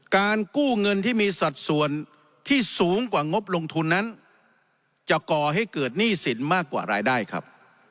การกู้เงินที่มีสัดส่วนที่สูงกว่างบลงทุนนั้นจะก่อให้เกิดหนี้สินมากกว่ารายได้ครับ